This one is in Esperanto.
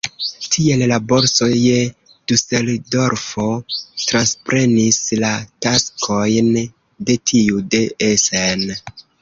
Tiel la borso je Duseldorfo transprenis la taskojn de tiu de Essen.